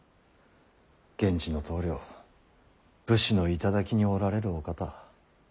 源氏の棟梁武士の頂におられるお方。